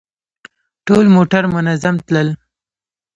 ټول موټر منظم تلل.